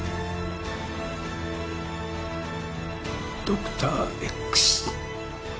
ドクターＸ。